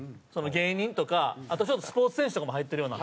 芸人とかあとスポーツ選手とかも入ってるような。